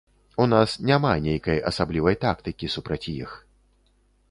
У нас няма нейкай асаблівай тактыкі супраць іх.